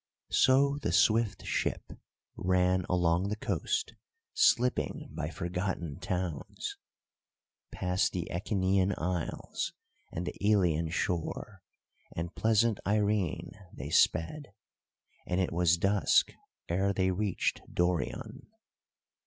So the swift ship ran along the coast, slipping by forgotten towns. Past the Echinean isles, and the Elian shore, and pleasant Eirene they sped, and it was dusk ere they reached Dorion.